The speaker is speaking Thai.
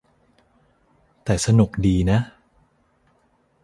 แต่สนุกดีนะ